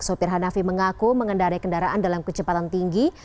sopir hanafi mengaku mengendarai kendaraan dalam kecepatan tinggi